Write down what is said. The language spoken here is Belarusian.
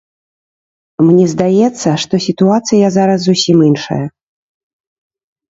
Мне здаецца, што сітуацыя зараз зусім іншая.